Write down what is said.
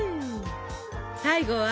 最後は？